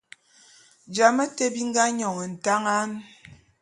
Jame te bi nga nyône ntangan.